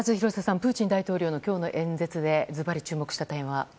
プーチン大統領の今日の演説でずばり注目した点は？